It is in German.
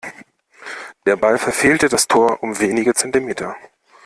Der Ball verfehlte das Tor um wenige Zentimeter.